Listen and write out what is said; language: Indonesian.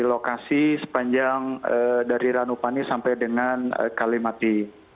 lokasi sepanjang dari ranupani sampai dengan kalimati